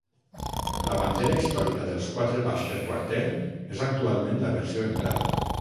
La bandera històrica dels quatre pals per quarter és actualment la versió emprada.